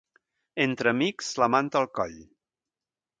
Entre amics, la manta al coll.